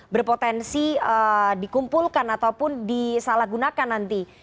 berpotensi dikumpulkan ataupun disalahgunakan nanti